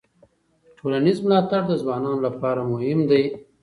ټولنیز ملاتړ د ځوانانو لپاره مهم دی.